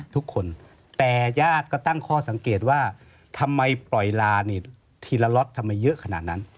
ทุกคนแต่ญาติก็ตั้งข้อสังเกตว่าทำไมปล่อยลานี่ทีละล็อตทำไมเยอะขนาดนั้น